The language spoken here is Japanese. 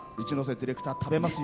ディレクター食べますよ。